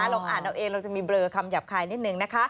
ลองอ่านเอาเองเราจะมีเบลอคำหยาบคายนิดนึงนะคะ